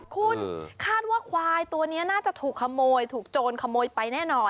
คุณคาดว่าควายตัวนี้น่าจะถูกขโมยถูกโจรขโมยไปแน่นอน